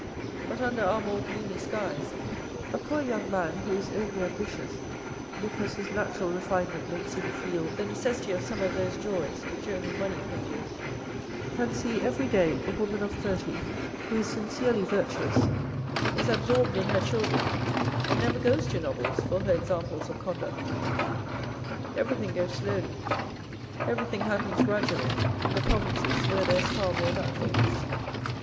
But under our more gloomy skies, a poor young man who is only ambitious because his natural refinement makes him feel the necessity of some of those joys which only money can give, can see every day a woman of thirty who is sincerely virtuous, is absorbed in her children, and never goes to novels for her examples of conduct. Everything goes slowly, everything happens gradually, in the provinces where there is far more naturalness.